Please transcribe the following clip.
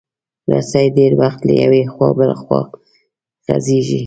رسۍ ډېر وخت له یوې خوا بله خوا غځېږي.